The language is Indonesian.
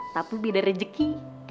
tapi biar ada rezeki